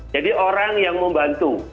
jadi orang yang membantu